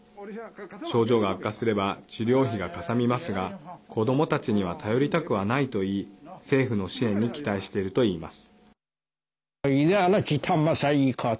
症状が悪化すれば治療費がかさみますが子どもたちには頼りたくはないといい政府の支援に期待しているといいます。